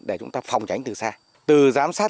để chúng ta phòng tránh từ xa từ giám sát